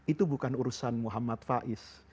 itu bukan urusan muhammad faiz